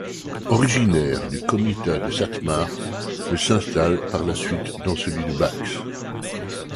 Originaire du comitat de Szatmár, elle s'installe par la suite dans celui de Bács.